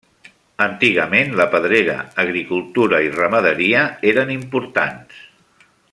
Antigament la pedrera, agricultura i ramaderia, eren importants.